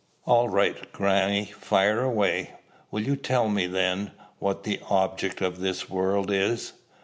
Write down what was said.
"All right, grannie. Fire away." "Will you tell me, then, what the object of this world is?"